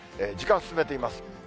時間進めていきます。